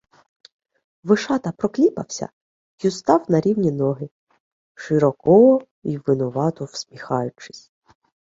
Вишата прокліпався й устав на рівні ноги, широко й винувато всміхаючись.